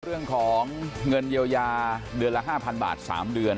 เรื่องของเงินเยียวยาเดือนละ๕๐๐บาท๓เดือน